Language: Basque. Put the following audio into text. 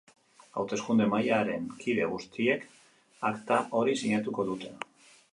Hauteskunde-mahaiaren kide guztiek akta hori sinatuko dute.